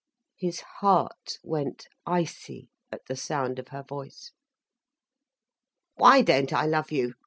His heart went icy at the sound of her voice. "Why don't I love you?"